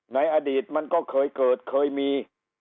ในอดีตมันก็เคยเกิดเคยมี